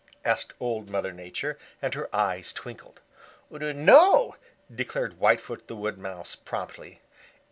asked Old Mother Nature, and her eyes twinkled. "No," declared Whitefoot the Wood Mouse promptly.